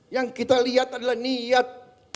yang kita lihat adalah niat